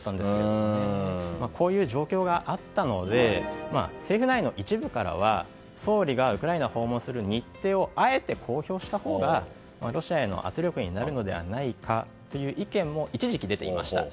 こういう状況があったので政府内の一部からは総理がウクライナを訪問する日程をあえて公表したほうがロシアへの圧力になるのではないかという意見も一時期出ていました。